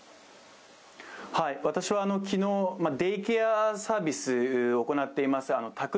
私は昨日、デイケアサービスを行っています